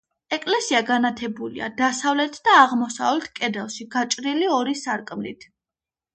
ეკლესია განათებულია დასავლეთ და აღმოსავლეთ კედელში გაჭრილი ორი სარკმლით.